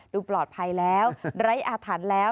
ดูปลอดภัยแล้วไร้อาถรรพ์แล้ว